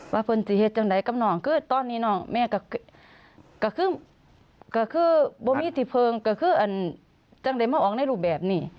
ว่าเพื่อนจะเหตุจังใดกับน้องคือตอนนี้น้องแม่ก็คือไม่มีที่เพิงก็คือจังใดไม่ออกได้หรือแบบนี้